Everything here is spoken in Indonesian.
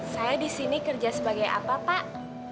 saya disini kerja sebagai apa pak